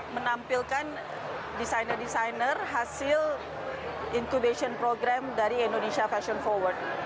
menampilkan desainer desainer hasil incubation program dari indonesia fashion forward